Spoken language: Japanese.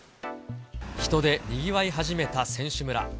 人でにぎわい始めた選手村。